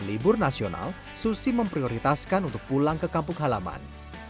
libur nasional susi memprioritaskan untuk pulang ke kampung halaman